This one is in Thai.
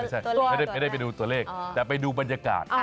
ไม่ใช่ไม่ใช่ไม่ได้ไปดูตัวเลขแต่ไปดูบรรยากาศ